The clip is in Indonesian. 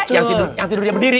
iya itu yang tidur diambil diri